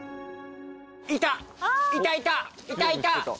いたいた！